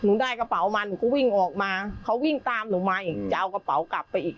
หนูได้กระเป๋ามาหนูก็วิ่งออกมาเขาวิ่งตามหนูมาอีกจะเอากระเป๋ากลับไปอีก